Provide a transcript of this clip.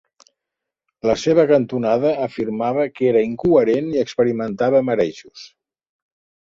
La seva cantonada afirmava que era incoherent i experimentava marejos.